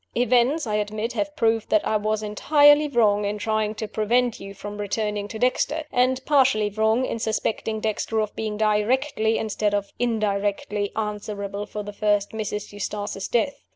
Events, I admit, have proved that I was entirely wrong in trying to prevent you from returning to Dexter and partially wrong in suspecting Dexter of being directly, instead of indirectly, answerable for the first Mrs. Eustace's death.